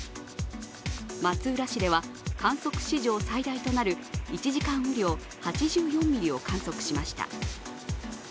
松浦市では観測史上最大となる１時間雨量８４ミリを観測しました。